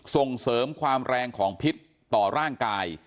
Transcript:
ส่งเสริมความแรงของพิษต่อร่างกาย